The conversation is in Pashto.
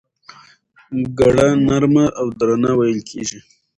ګړه نرمه او درنه وېل کېږي.